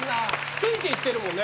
ついていってるもんね。